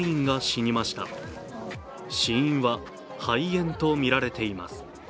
死因は肺炎とみられています。